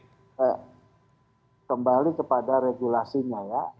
kembali kepada regulasinya ya